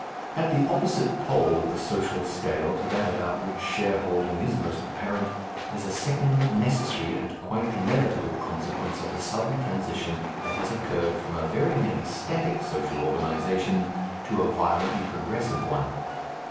At the opposite pole of the social scale to that about which shareholding is most apparent, is a second necessary and quite inevitable consequence of the sudden transition that has occurred from a very nearly static social organization to a violently progressive one.